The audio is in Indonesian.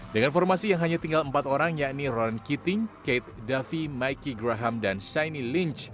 dengan formasi yang hanya tinggal empat orang yakni ronan keating kate davie mikey graham dan shiny lynch